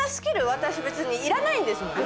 私別にいらないんですもん。